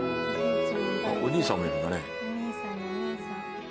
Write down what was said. あっお兄さんもいるんだね。